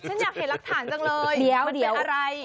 ฉันอยากเห็นหลักฐานจังเลยมันเป็นอะไร